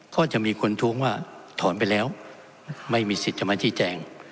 ก็จะมีคนท้วงว่าถอนไปแล้วไม่มีสิทธิ์จะมาชี้แจง